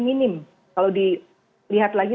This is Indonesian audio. minim kalau di lihat lagi